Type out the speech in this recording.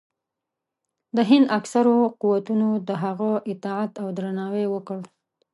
د هند اکثرو قوتونو د هغه اطاعت او درناوی وکړ.